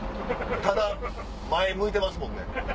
ただ前向いてますもんね。